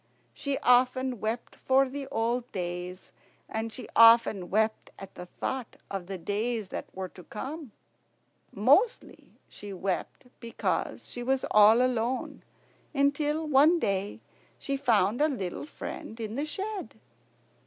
she often wept for the old days, and she often wept at the thought of the days that were to come. Mostly she wept because she was all alone, until one day she found a little friend in the shed.